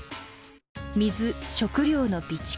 水・食料の備蓄。